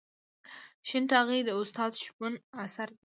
شین ټاغی د استاد شپون اثر دی.